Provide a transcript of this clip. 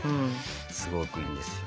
すごくいいんですよ。